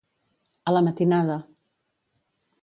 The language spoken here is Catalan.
A la matinada.